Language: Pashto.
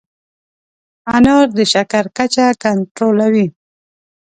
انار د شکر کچه کنټرولوي.